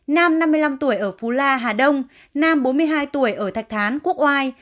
nam năm mươi năm tuổi ở phú la hà đông nam bốn mươi hai tuổi ở thạch thán quốc oai